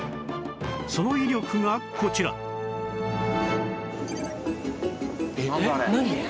その威力がこちらなんだ？